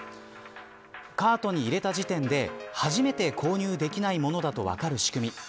カートに入れた時点で初めて購入できないものだと分かる仕組み。